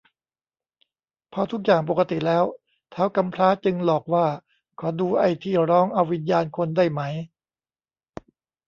พอทุกอย่างปกติแล้ว ท้าวกำพร้าจึงหลอกว่าขอดูไอ้ที่ร้องเอาวิญญาณคนได้ไหม